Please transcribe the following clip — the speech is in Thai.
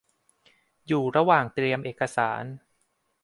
อยู่ระหว่างเตรียมเอกสาร